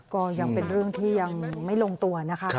ก็ยังเป็นเรื่องที่ยังไม่ลงตัวนะคะ